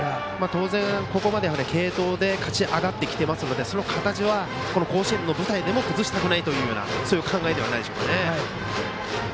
当然、ここまで継投で勝ち上がってきているのでその形は甲子園の舞台でも崩したくないというような考えではないでしょうかね。